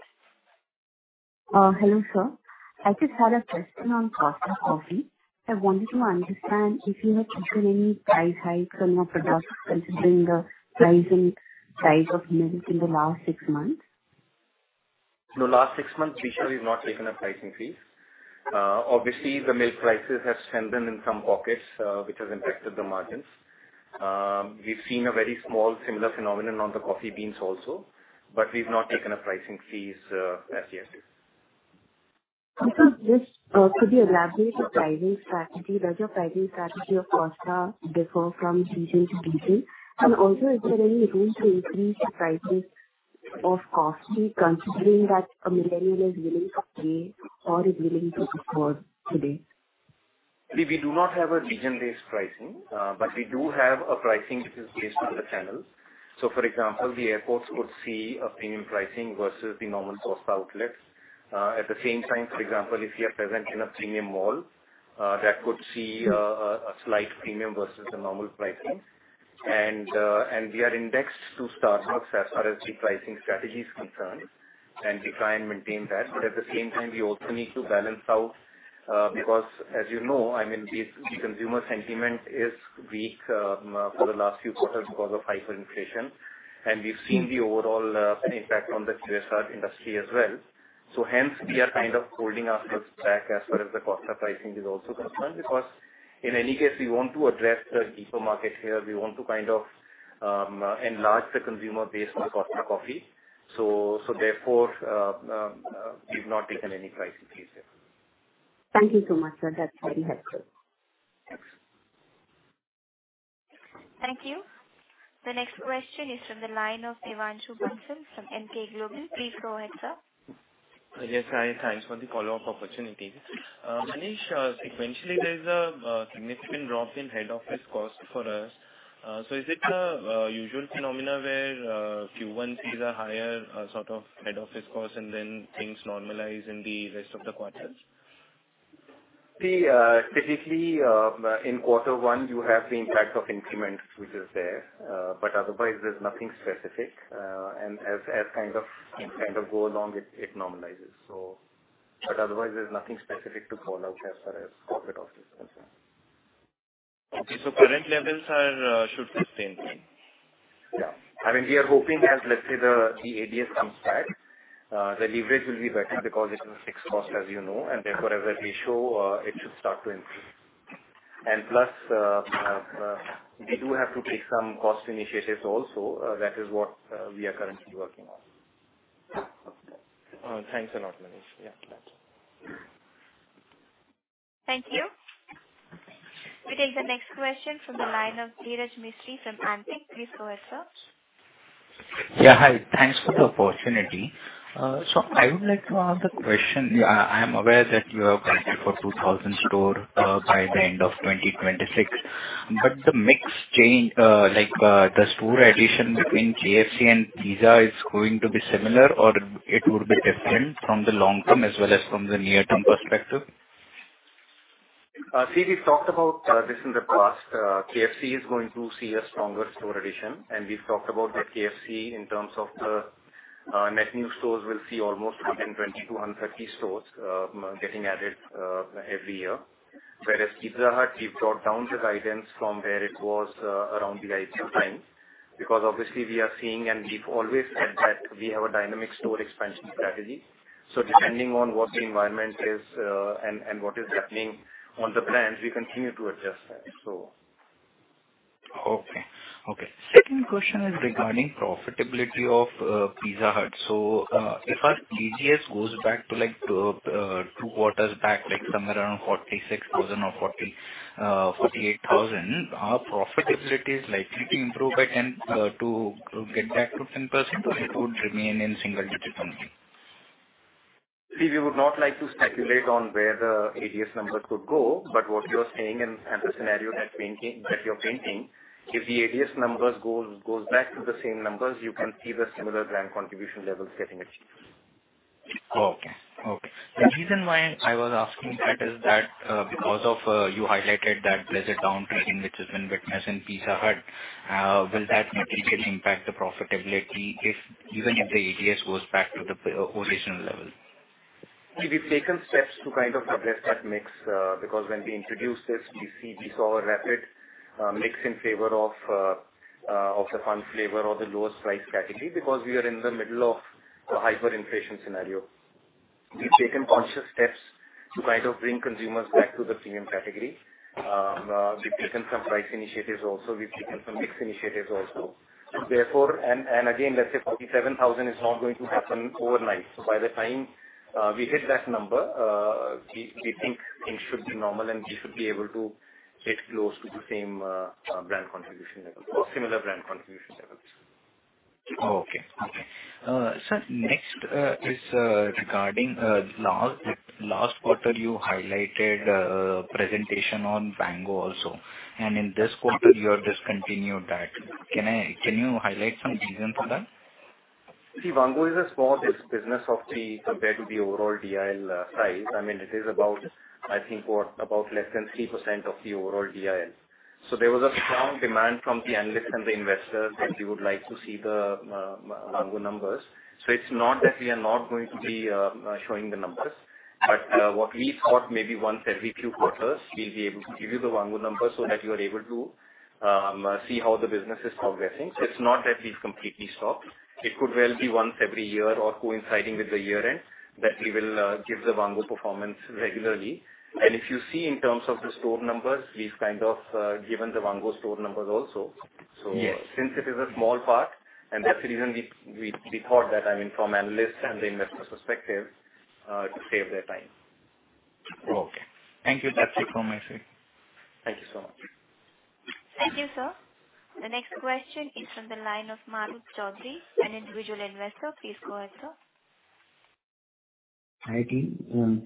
Hello, sir. I just had a question on Costa Coffee. I wanted to understand if you had taken any price hikes on your products considering the price of milk in the last six months? In the last six months, Dhisha, we've not taken a pricing fees. Obviously, the milk prices have risen in some pockets, which has impacted the margins. We've seen a very small similar phenomenon on the coffee beans also, but we've not taken a pricing fees, as yet. Just, could you elaborate your pricing strategy? Does your pricing strategy of Costa differ from region to region? And also, is there any room to increase the prices of Costa considering that a millennial is willing to pay or is willing to support today? We do not have a region-based pricing, but we do have a pricing which is based on the channel. So for example, the airports would see a premium pricing versus the normal Costa outlets. At the same time, for example, if we are present in a premium mall, that could see a slight premium versus the normal pricing. And we are indexed to Starbucks as far as the pricing strategy is concerned, and we try and maintain that. But at the same time, we also need to balance out, because as you know, I mean, the consumer sentiment is weak for the last few quarters because of hyperinflation and we've seen the overall impact on the QSR industry as well. Hence, we are kind of holding ourselves back as far as the Costa pricing is also concerned because in any case, we want to address the deeper market here. We want to kind of enlarge the consumer base for Costa Coffee. So therefore, we've not taken any pricing fees yet. Thank you so much, sir. That's very helpful. Thanks. Thank you. The next question is from the line of Devanshu Bansal from Emkay Global Financial Services. Please go ahead, sir. Yes, hi, thanks for the follow-up opportunity. Manish, sequentially, there's a significant drop in head office cost for us. So is it a usual phenomena where Q1 is a higher sort of head office cost and then things normalize in the rest of the quarters? See, typically, in quarter one, you have the impact of increments which is there. But otherwise, there's nothing specific. And as kind of, it kind of go along, it normalizes. So... But otherwise, there's nothing specific to call out as far as corporate office is concerned. Okay. So current levels are, should sustain then? Yeah. I mean, we are hoping as let's say the, the ADS comes back, the leverage will be better because it's a fixed cost, as you know, and therefore, as a ratio, it should start to increase. And plus, we do have to take some cost initiatives also, that is what we are currently working on. Thanks a lot, Manish. Yeah, thanks. Thank you. We take the next question from the line of Dhiraj Mistry from Antique Stock Broking. Please go ahead, sir. Yeah, hi. Thanks for the opportunity. So I would like to ask a question. I am aware that you have targeted for 2,000 store by the end of 2026, but the mix change, like, the store addition between KFC and Pizza is going to be similar or it would be different from the long term as well as from the near-term perspective? See, we've talked about this in the past. KFC is going to see a stronger store addition, and we've talked about that KFC in terms of the net new stores will see almost between 20-150 stores getting added every year. Whereas Pizza Hut, we've brought down the guidance from where it was around the IPO time, because obviously we are seeing and we've always said that we have a dynamic store expansion strategy. So depending on what the environment is, and what is happening on the brands, we continue to adjust that, so. Okay. Okay. Second question is regarding profitability of Pizza Hut. So, if our TGS goes back to, like, two quarters back, like somewhere around 46,000 or 48,000, our profitability is likely to improve by ten to get back to 10% or it would remain in single digit only? See, we would not like to speculate on where the ADS number could go, but what you're saying and the scenario you're painting, if the ADS numbers go back to the same numbers, you can see the similar brand contribution levels getting achieved. Okay. Okay. The reason why I was asking that is that, because of, you highlighted that there's a downtrending which has been witnessed in Pizza Hut. Will that significantly impact the profitability if even if the ADS goes back to the original level? We've taken steps to kind of address that mix, because when we introduced this, we saw a rapid mix in favor of the fun flavor or the lower price category, because we are in the middle of a hyperinflation scenario. We've taken conscious steps to kind of bring consumers back to the premium category. We've taken some price initiatives also, we've taken some mix initiatives also. Therefore, and again, let's say 47,000 is not going to happen overnight. So by the time we hit that number, we think things should be normal and we should be able to get close to the same brand contribution level or similar brand contribution levels. Oh, okay. Okay. Sir, next is regarding last quarter you highlighted presentation on Vaango also, and in this quarter you have discontinued that. Can I—Can you highlight some reason for that? See, Vaango is a small business of the compared to the overall DIL, size. I mean, it is about, I think, what, about less than 3% of the overall DIL. So there was a strong demand from the analysts and the investors that we would like to see the, Vaango numbers. So it's not that we are not going to be, showing the numbers, but, what we thought maybe once every few quarters, we'll be able to give you the Vaango numbers so that you are able to, see how the business is progressing. So it's not that we've completely stopped. It could well be once every year or coinciding with the year-end, that we will, give the Vaango performance regularly. And if you see in terms of the store numbers, we've kind of, given the Vaango store numbers also. Yes. Since it is a small part, and that's the reason we thought that, I mean, from analysts and the investors perspective, to save their time. Okay. Thank you. That's it from my side. Thank you so much. Thank you, sir. The next question is from the line of Marut Chaudhry, an individual investor. Please go ahead, sir. Hi, team.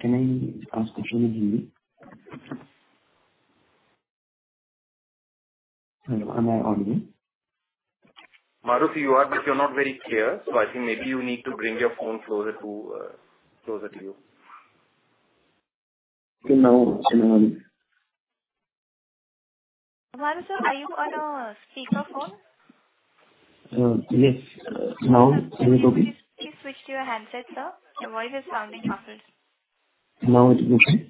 Can I ask a question in Hindi? Hello, am I on mute? Maruf, you are, but you're not very clear, so I think maybe you need to bring your phone closer to, closer to you. Okay, now, can you hear me? Maruf, sir, are you on a speakerphone? Yes. Now, can you hear me? Can you please switch to your handset, sir? Your voice is sounding muffled. Now it is okay?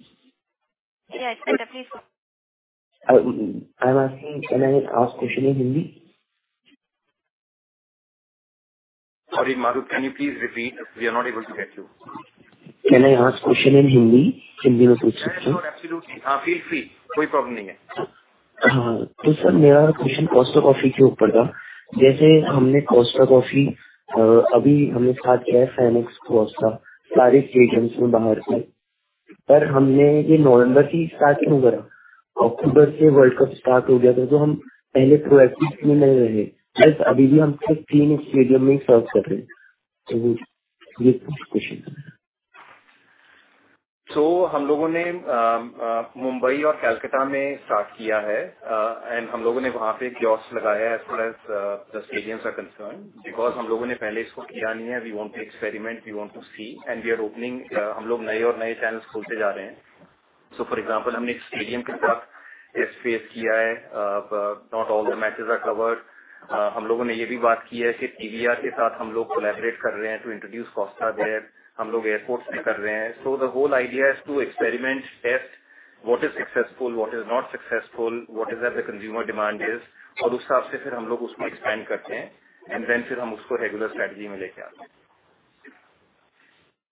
Yes, better. Please go. I'm asking, can I ask question in Hindi? Sorry, Marut, can you please repeat? We are not able to get you. Can I ask question in Hindi? Sure, absolutely. Feel free. No problem in it. So sir, my question is on Costa Coffee. Like, we have started Costa Coffee, we have just started Phoenix Costa, all the stadiums outside. But why did we start it in November? The World Cup started from October, so we were not there earlier. Plus, we are still serving only in three stadiums. So this is the question. So we have started in Mumbai and Kolkata, and we have opened kiosks there as far as the stadiums are concerned. Because we have not done this before, we want to experiment, we want to see, and we are opening new channels. So for example, we have done a test case with a stadium, but not all the matches are covered. We have also talked about collaborating with PVR to introduce Costa there. We are also doing it in airports. So the whole idea is to experiment, test what is successful, what is not successful, what is that the consumer demand is, and accordingly, we expand it, and then we bring it into the regular strategy. Okay.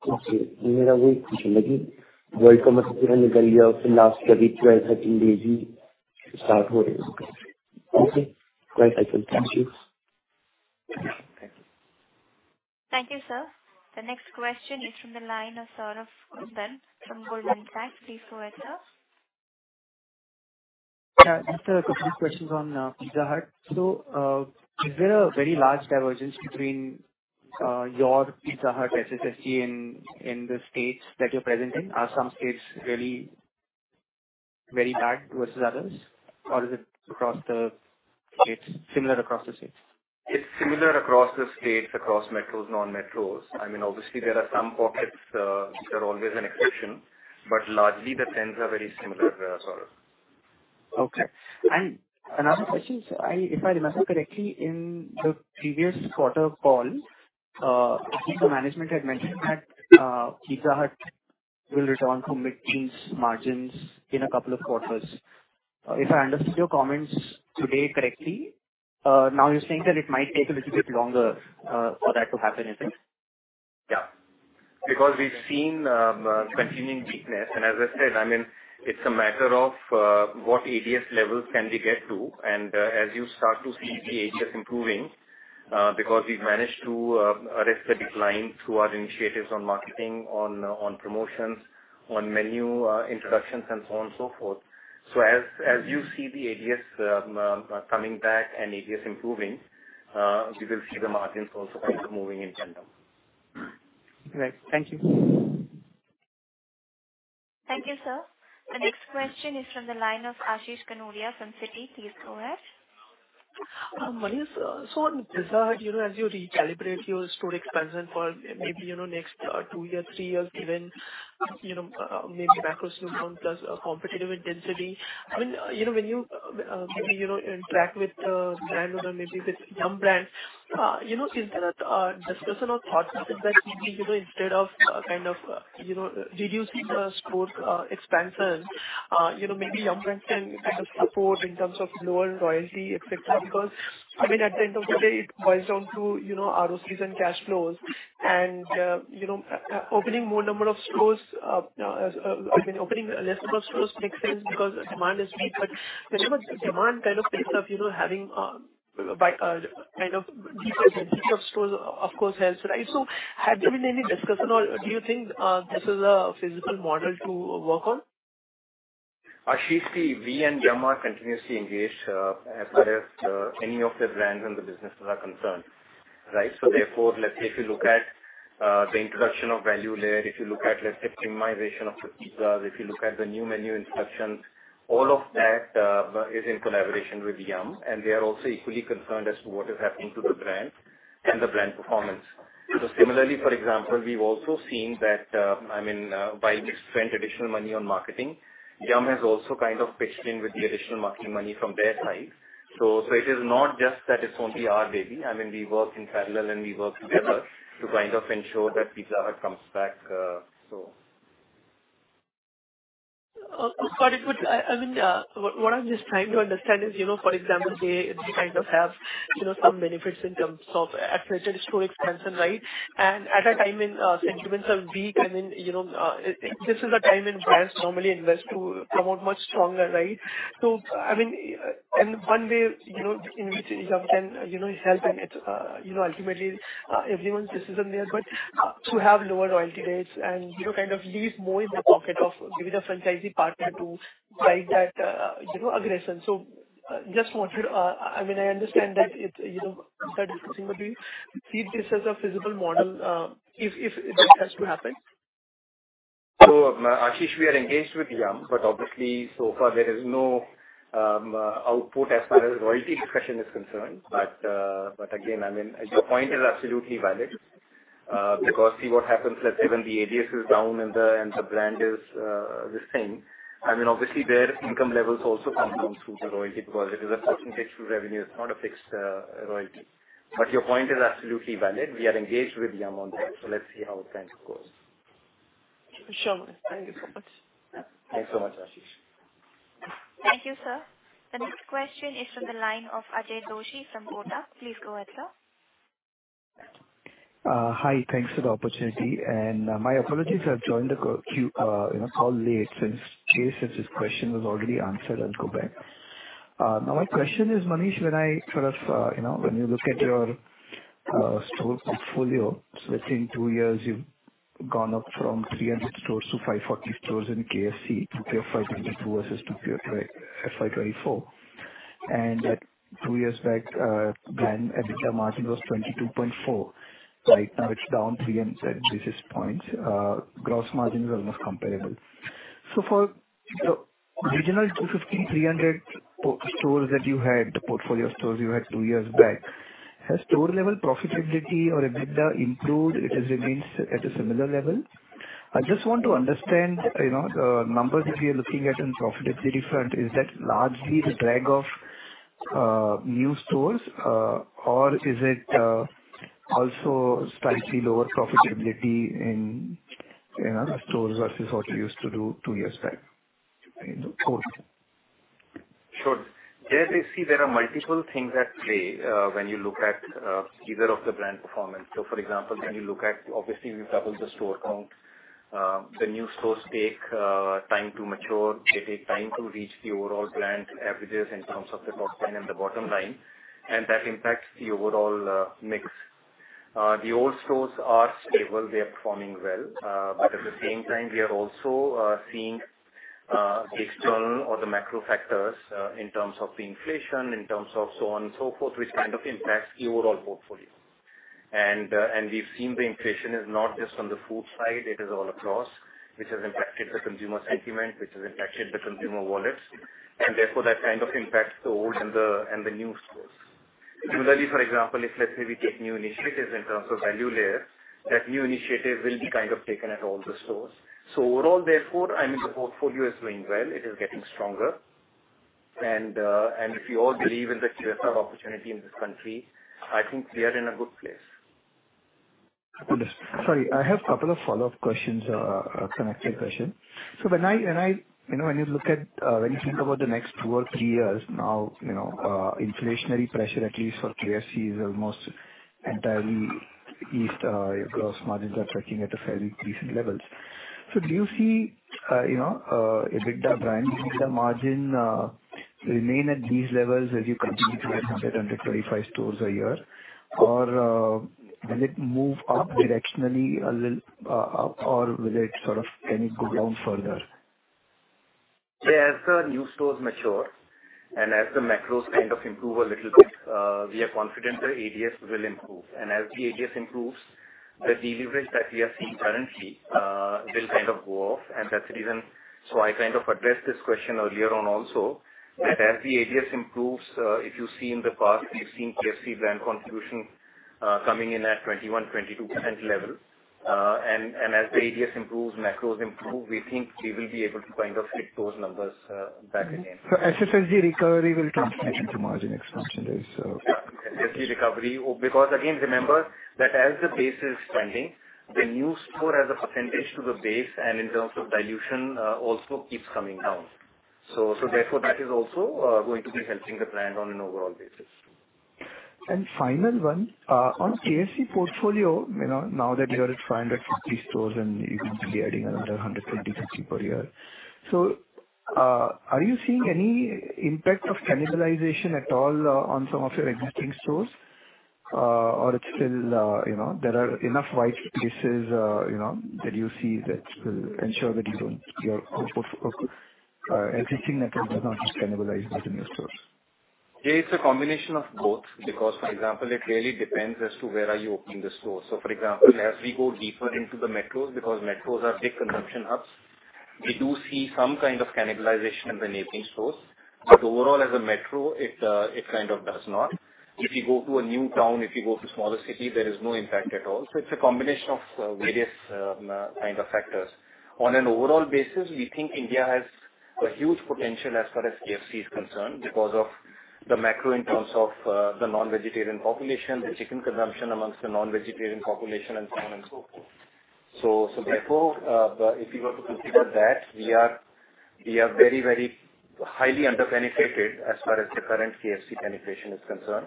That was my question. The World Cup match is over, and the last 12-13 days it has just started. Okay, great. Thank you. Thank you, sir. The next question is from the line of Saurabh Kundan from Goldman Sachs. Please go ahead, sir. Yeah, just a quick questions on Pizza Hut. So, is there a very large divergence between your Pizza Hut SSFE in the states that you're present in? Are some states really very bad versus others, or is it across the states, similar across the states? It's similar across the states, across metros, non-metros. I mean, obviously, there are some pockets, they're always an exception, but largely the trends are very similar to Saurabh. Okay. And another question, sir. If I remember correctly, in the previous quarter call, Pizza management had mentioned that, Pizza Hut will return to mid-teens margins in a couple of quarters. If I understood your comments today correctly, now you're saying that it might take a little bit longer, for that to happen, is it? Yeah. Because we've seen continuing weakness, and as I said, I mean, it's a matter of what ADS levels can we get to, and as you start to see the ADS improving, because we've managed to arrest the decline through our initiatives on marketing, on promotions, on menu introductions, and so on and so forth. So as you see the ADS coming back and ADS improving, you will see the margins also kind of moving in tandem. Great. Thank you. Thank you, sir. The next question is from the line of Ashish Kanodia from Citi. Please go ahead. Manish, so on Pizza Hut, you know, as you recalibrate your store expansion for maybe, you know, next two years, three years even, you know, maybe macro plus competitive intensity. I mean, you know, when you maybe, you know, interact with the brand owner, maybe with Yum! Brands, you know, is there a discussion or thought that maybe, you know, instead of kind of, you know, reducing the store expansion, you know, maybe Yum! Brands can kind of support in terms of lower royalty, et cetera. Because, I mean, at the end of the day, it boils down to, you know, ROCE and cash flows and, you know, opening more number of stores, I mean, opening less number of stores makes sense because demand is weak. But whenever demand kind of picks up, you know, having by kind of density of stores, of course, helps, right? So has there been any discussion or do you think this is a feasible model to work on? Ashish, see, we and Yum! are continuously engaged as far as any of the brands and the businesses are concerned, right? So therefore, let's say if you look at the introduction of value layer, if you look at, let's say, optimization of the pizzas, if you look at the new menu introductions, all of that is in collaboration with Yum!, and they are also equally concerned as to what is happening to the brand and the brand performance. So similarly, for example, we've also seen that, I mean, while we spend additional money on marketing, Yum! has also kind of pitched in with the additional marketing money from their side. So, so it is not just that it's only our baby. I mean, we work in parallel, and we work together to kind of ensure that Pizza Hut comes back, so. But it would. I mean, what I'm just trying to understand is, you know, for example, they kind of have, you know, some benefits in terms of accelerated store expansion, right? And at a time when sentiments are weak and then, you know, this is a time when brands normally invest to promote much stronger, right? So, I mean, and one way, you know, in which Yum! can, you know, help in it, you know, ultimately, everyone's decision there, but to have lower royalty rates and, you know, kind of leaves more in the pocket of maybe the franchisee partner to drive that, you know, aggression. So just wanted to... I mean, I understand that it's, you know, start discussing, but do you see this as a feasible model, if that has to happen? So, Ashish, we are engaged with Yum!, but obviously so far there is no output as far as royalty discussion is concerned. But again, I mean, your point is absolutely valid. Because see what happens, let's say when the ADS is down and the brand is this thing, I mean, obviously their income levels also come down through the royalty because it is a percentage to revenue. It's not a fixed royalty. But your point is absolutely valid. We are engaged with Yum! on that, so let's see how it goes. Sure, Manish. Thank you so much. Thanks so much, Ashish. Thank you, sir. The next question is from the line of Jaykumar Doshi from Kota. Please go ahead, sir. Hi, thanks for the opportunity, and, my apologies. I've joined the call late since Jay said his question was already answered. I'll go back. Now my question is, Manish, when I sort of, you know, when you look at your store portfolio, so let's say in two years you've gone up from 300 stores to 540 stores in KFC, FY 2022 versus FY 2024. And that two years back, brand EBITDA margin was 22.4%. Right now it's down 300 basis points. Gross margins are almost comparable. So for the original 250-300 stores that you had, the portfolio stores you had two years back, has store-level profitability or EBITDA improved, it has remained at a similar level? I just want to understand, you know, the numbers that we are looking at in profitability front, is that largely the drag of new stores, or is it also slightly lower profitability in, you know, stores versus what you used to do two years back? In the course. Sure. There they see there are multiple things at play, when you look at, either of the brand performance. So for example, when you look at obviously, we've doubled the store count. The new stores take, time to mature. They take time to reach the overall brand averages in terms of the top line and the bottom line, and that impacts the overall, mix. The old stores are stable, they are performing well, but at the same time, we are also, seeing, the external or the macro factors, in terms of the inflation, in terms of so on and so forth, which kind of impacts the overall portfolio. And, and we've seen the inflation is not just on the food side, it is all across, which has impacted the consumer sentiment, which has impacted the consumer wallets, and therefore that kind of impacts the old and the, and the new stores. Similarly, for example, if let's say we take new initiatives in terms of value layer, that new initiative will be kind of taken at all the stores. So overall, therefore, I mean, the portfolio is doing well, it is getting stronger. And, and if we all believe in the KFC opportunity in this country, I think we are in a good place. Sorry, I have a couple of follow-up questions, connected question. So when I, when I, you know, when you look at, when you think about the next two or three years now, you know, inflationary pressure, at least for KFC, is almost entirely eased. Gross margins are tracking at a fairly decent levels. So do you see, you know, EBITDA brand, EBITDA margin, remain at these levels as you continue to add 125 stores a year? Or, will it move up directionally, a little, up, or will it sort of, can it go down further? Yeah, as the new stores mature and as the macros kind of improve a little bit, we are confident the ADS will improve. And as the ADS improves, the leverage that we are seeing currently, will kind of go off, and that's the reason. So I kind of addressed this question earlier on also, that as the ADS improves, if you see in the past, you've seen KFC brand contribution, coming in at 21%-22% level. And as the ADS improves, macros improve, we think we will be able to kind of flip those numbers, back again. SSS recovery will contribute to margin expansion there. Yeah, SSS recovery, because again, remember that as the base is trending, the new store as a percentage to the base and in terms of dilution also keeps coming down. So therefore, that is also going to be helping the brand on an overall basis. And final one, on KFC portfolio, you know, now that you are at 550 stores and you continue adding another 150, 50 per year. So, are you seeing any impact of cannibalization at all, on some of your existing stores? Or it's still, you know, there are enough white spaces, you know, that you see that will ensure that you don't, your existing network does not just cannibalize the new stores. It's a combination of both, because, for example, it really depends as to where are you opening the store. So for example, as we go deeper into the metros, because metros are big consumption hubs, we do see some kind of cannibalization in the neighboring stores. But overall, as a metro, it, it kind of does not. If you go to a new town, if you go to smaller city, there is no impact at all. So it's a combination of, various, kind of factors. On an overall basis, we think India has a huge potential as far as KFC is concerned, because of the macro in terms of, the non-vegetarian population, the chicken consumption amongst the non-vegetarian population, and so on and so forth. So, so therefore, if you were to consider that, we are, we are very, very highly underpenetrated as far as the current KFC penetration is concerned.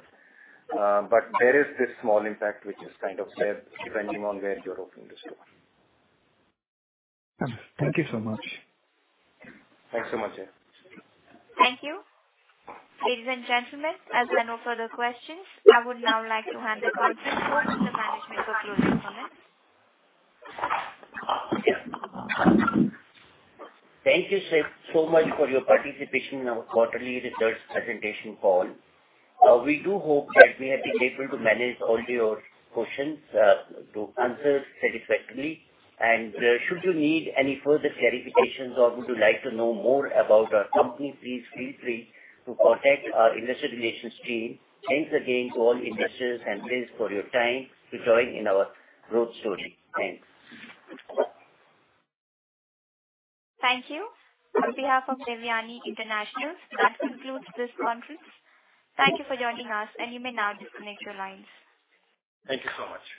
But there is this small impact which is kind of there depending on where you're opening the store. Thank you so much. Thanks so much. Thank you. Ladies and gentlemen, as there are no further questions, I would now like to hand the conference over to the management for closing comments. Thank you so, so much for your participation in our quarterly results presentation call. We do hope that we have been able to manage all your questions, to answer satisfactorily. Should you need any further clarifications or would you like to know more about our company, please feel free to contact our investor relations team. Thanks again to all investors, and thanks for your time to join in our growth story. Thanks. Thank you. On behalf of Devyani International, that concludes this conference. Thank you for joining us, and you may now disconnect your lines. Thank you so much.